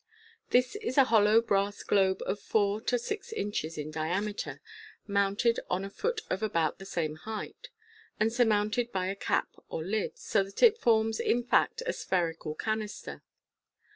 — This is a hollow brass globe of four to six inches in diameter, mounted on a foot of about the same height, and surmounted by a cap or lid, so that it forms, in fact, a spherical canister.